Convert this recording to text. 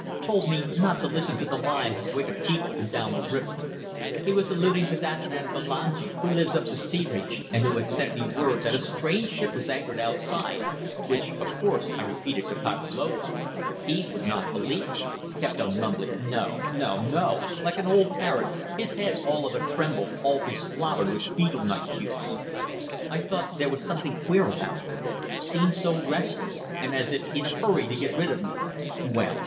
Told me not to listen to the lies of wicked people from down the river. He was alluding to that man Bulangi, who lives up the sea reach, and who had sent me word that a strange ship was anchored outside which, of course, I repeated to Patalolo. He would not believe. Kept on mumbling 'No! No! No!' like an old parrot, his head all of a tremble, all beslobbered with betel nut juice. I thought there was something queer about him. Seemed so restless, and as if in a hurry to get rid of me. Well.